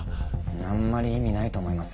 あんまり意味ないと思います。